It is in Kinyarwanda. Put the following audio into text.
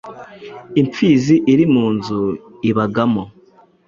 impfizi iri munzu ibagamo